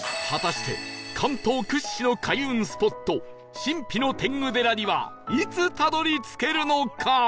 果たして関東屈指の開運スポット神秘の天狗寺にはいつたどり着けるのか？